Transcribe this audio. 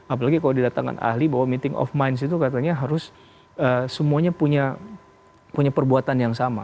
apalagi kalau didatangkan ahli bahwa meeting of mindse itu katanya harus semuanya punya perbuatan yang sama